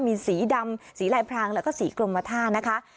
มีสีดำสีลายพรางแล้วก็สีกรมท่านะคะ